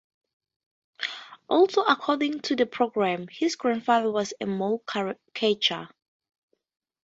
Also according to the programme, his grandfather was a mole-catcher.